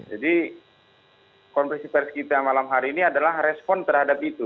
jadi kompleksi pers kita malam hari ini adalah respon terhadap itu